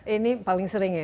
ini paling sering ya